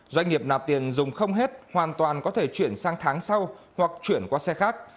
doanh nghiệp nạp tiền dùng không hết hoàn toàn có thể chuyển sang tháng sau hoặc chuyển qua xe khác